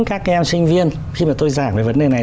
các em sinh viên khi mà tôi giảng về vấn đề này